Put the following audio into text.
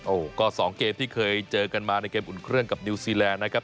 โอ้โหก็สองเกมที่เคยเจอกันมาในเกมอุ่นเครื่องกับนิวซีแลนด์นะครับ